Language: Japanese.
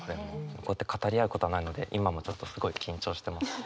こうやって語り合うことはないので今もちょっとすごい緊張してます。